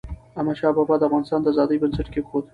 احمدشاه بابا د افغانستان د ازادی بنسټ کېښود.